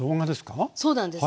そうなんです。